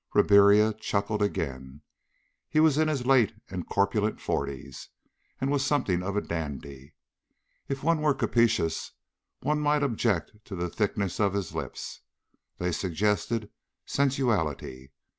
Ribiera chuckled again. He was in his late and corpulent forties and was something of a dandy. If one were captious, one might object to the thickness of his lips. They suggested sensuality.